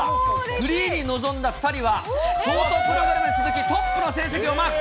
フリーに臨んだ２人は、ショートプログラムに続き、トップの成績をマーク。